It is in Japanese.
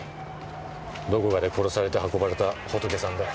どこかで殺されて運ばれたホトケさんだ。